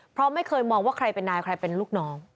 เพราะไม่เคยมองว่าใครเป็นนายใครเป็นลูกน้อง